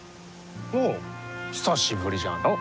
おう久しぶりじゃのう。